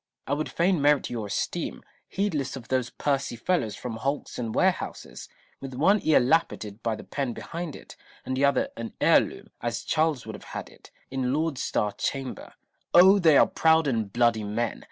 I would fain merit your esteem, heedless of those pursy fellows from hulks and warehouses, with one ear lappeted by the pen behind it, and the other an heirloom, as Charles would have had it, in Laud's star chamber. Oh ! they are proud and bloody men.